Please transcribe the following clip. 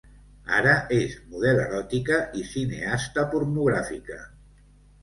Ara és model eròtica i cineasta pornogràfica.